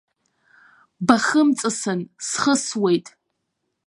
Бахымҵысын, схысуеит!